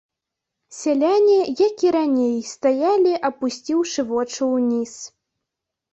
Сяляне, як і раней, стаялі, апусціўшы вочы ўніз.